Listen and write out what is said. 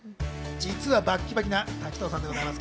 実はバッキバキな滝藤さんでございます。